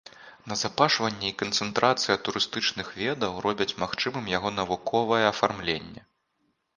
Назапашванне і канцэнтрацыя турыстычных ведаў робяць магчымым яго навуковае афармленне.